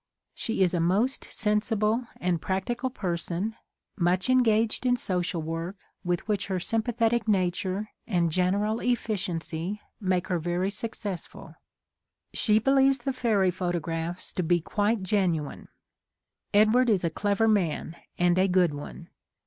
She is a most sen sible and practical person, much engaged in social work, with which her sympathetic nature and general efficiency make her very successful. 20 HOW THE MATTER AROSE She believes the fairy photographs to be quite genuine. Edward is a clever man — and a good one.